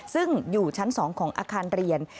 ซึ่งอยู่ชั้น๒ของอาคารเรียน